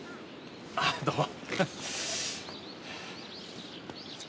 あどうも。